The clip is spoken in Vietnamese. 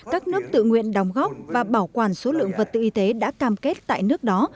các nước tự nguyện đóng góp và bảo quản số lượng vật tư y tế đã cam kết tại nước đó